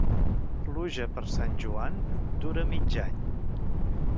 Pluja per Sant Joan, dura mig any.